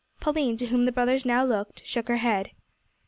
Pauline, to whom the brothers now looked, shook her head.